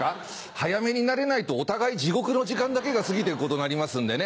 早めに慣れないとお互い地獄の時間だけが過ぎて行くことになりますんでね